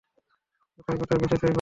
কোথায় কোথায় বেচেছো এই পর্যন্ত?